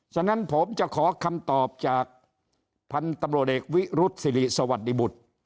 ฉะนั้นผมจะขอคำตอบจากพันธุ์ตำรวจเอกวิรุษศิริสวัสดิบุตร